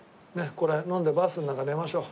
これ飲んでバスの中寝ましょう。